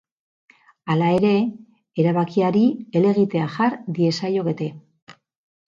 Hala ere, erabakiari helegitea jar diezaiokete.